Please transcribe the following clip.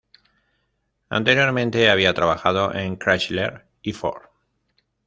Anteriormente había trabajado en Chrysler y Ford.